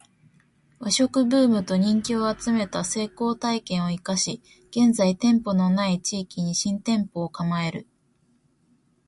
ⅰ 和食ブームと人気を集めた成功体験を活かし現在店舗の無い地域に新店舗を構える